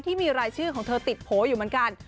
ที่มีรายชื่อของเธอติดโผล่อยู่เหมือนกัน